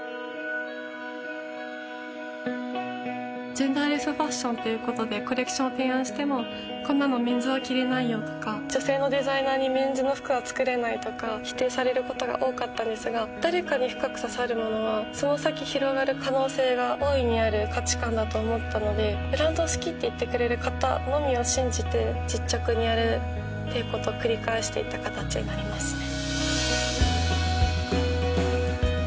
ジェンダーレスファッションということでコレクションを提案してもこんなのメンズは着れないよとか女性のデザイナーにメンズの服は作れないとか否定されることが多かったんですが誰かに深く刺さるものはその先広がる可能性が大いにある価値観だと思ったのでブランドを好きって言ってくれる方のみを信じて実直にやるっていうことを繰り返していった形になりますね